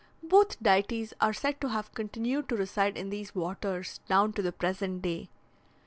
Both deities are said to have continued to reside in these waters down to the present day.